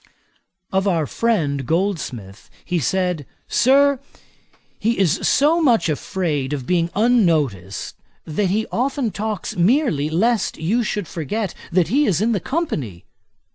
Of our friend, Goldsmith, he said, 'Sir, he is so much afraid of being unnoticed, that he often talks merely lest you should forget that he is in the company.'